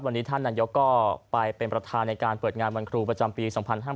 วันนี้ท่านนายกก็ไปเป็นประธานในการเปิดงานวันครูประจำปี๒๕๕๙